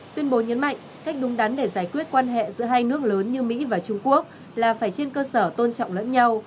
tuyên bố nhấn mạnh cách đúng đắn để giải quyết quan hệ giữa hai nước lớn như mỹ và trung quốc là phải trên cơ sở tôn trọng lẫn nhau